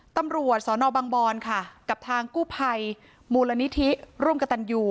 ตำรวจสตรนอบางบอนค่ะกับทางกู้ภัยมูลงานิธิรุมกฎัญอยู่